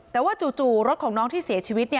แต่ว่าจู่รถของน้องที่เสียชีวิต